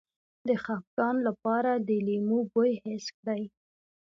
د خپګان لپاره د لیمو بوی حس کړئ